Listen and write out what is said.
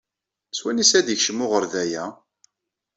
S wanisa d-yekcem uɣerda-a?